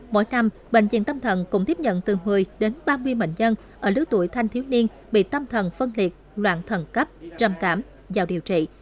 mỗi năm bệnh viện tâm thần cũng tiếp nhận từ một mươi đến ba mươi bệnh nhân ở lứa tuổi thanh thiếu niên bị tâm thần phân liệt loạn thần cấp trầm cảm vào điều trị